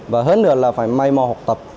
và hơn nữa là phải may mò học tập